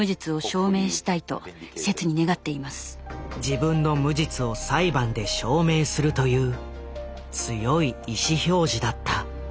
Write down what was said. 自分の無実を裁判で証明するという強い意志表示だった。